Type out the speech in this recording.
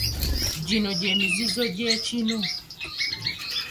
Gino gy’emizizo gy’ekinu.